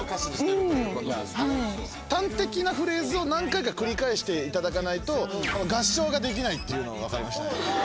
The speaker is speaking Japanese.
端的なフレーズを何回か繰り返していただかないと合唱ができないっていうの分かりましたね。